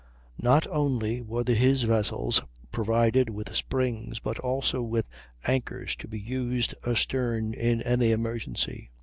Not only were his vessels provided with springs, but also with anchors to be used astern in any emergency.